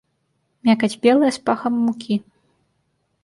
Мякаць белая, з пахам мукі.